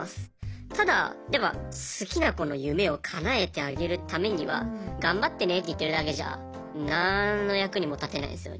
ただやっぱ好きな子の夢をかなえてあげるためには頑張ってねって言ってるだけじゃ何の役にも立てないですよね。